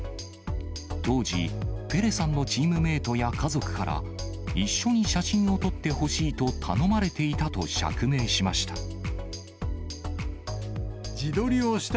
当時、ペレさんのチームメートや家族から、一緒に写真を撮ってほしいと頼まれていたと釈明しました。